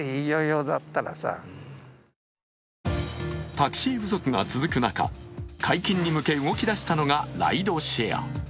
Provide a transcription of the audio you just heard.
タクシー不足が続く中、解禁に向け動き出したのがライドシェア。